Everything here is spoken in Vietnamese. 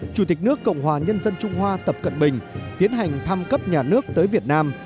chủ tịch nước cộng hòa nhân dân trung hoa tập cận bình tiến hành thăm cấp nhà nước tới việt nam